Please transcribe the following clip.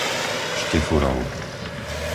Štefurov